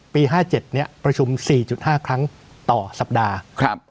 ปีห้าเจ็ดเนี้ยประชุมสี่จุดห้าครั้งต่อสัปดาห์ครับ